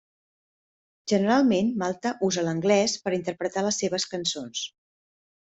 Generalment, Malta usa l'anglès per interpretar les seves cançons.